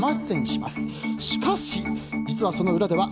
しかし、実はその裏では